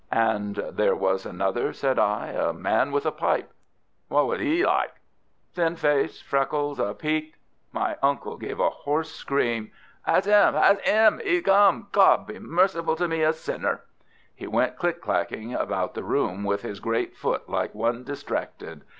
"And there was another," said I, "a man with a pipe." "What was 'e like?" "Thin face, freckles, a peaked——" My uncle gave a hoarse scream. "That's 'im! that's 'im! 'e's come! God be merciful to me, a sinner!" He went click clacking about the room with his great foot like one distracted.